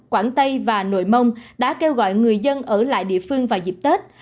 quảng tây và nội mông đã kêu gọi người dân ở lại địa phương vào dịp tết